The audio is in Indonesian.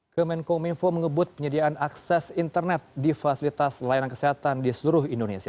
kemenkominfo mengebut penyediaan akses internet di fasilitas layanan kesehatan di seluruh indonesia